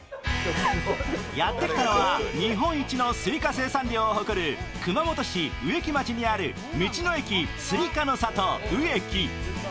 やってきたのは日本一のすいか生産量を誇る熊本市植木町にある道の駅すいかの里植木。